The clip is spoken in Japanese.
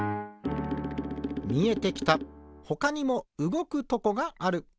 みえてきたほかにもうごくとこがある。